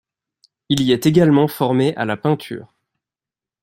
Il y est également formé à la peinture.